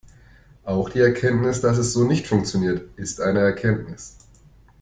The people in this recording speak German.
Auch die Erkenntnis, dass es so nicht funktioniert, ist eine Erkenntnis.